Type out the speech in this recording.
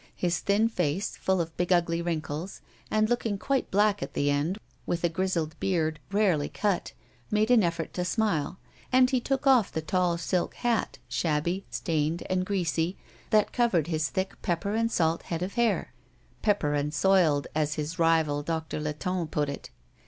His thin face, full of big ugly wrinkles, and looking quite black at the end with a grizzled beard rarely cut, made an effort to smile; and he took off the tall silk hat, shabby, stained, and greasy, that covered his thick pepper and salt head of hair "pepper and soiled, as his rival, Doctor Latonne, put it.